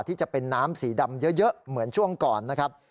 ที่จะเป็นน้ำสีดำเยอะเหมือนช่วงก่อนนะครับ